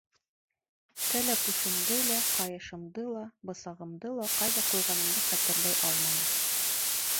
Кәләпүшемде лә, ҡайышымды ла, бысағымды ла ҡайҙа ҡуйғанымды хәтерләй алманым.